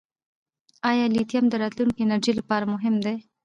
آیا لیتیم د راتلونکي انرژۍ لپاره مهم دی؟